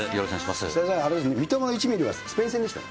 北澤さん、三笘の１ミリはスペイン戦でしたね。